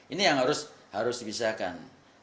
ini yang harus dibisarkan